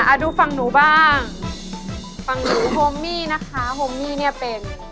ดูฝั่งหนูบ้างฝั่งหนูโฮมมี่นะคะโฮมมี่เนี่ยเป็น